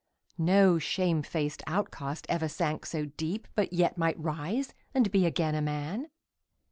No shame faced outcast ever sank so deep, But yet might rise and be again a man